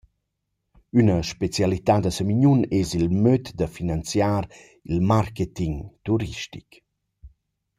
Üna specialità da Samignun es il möd da finanziar il marketing turistic.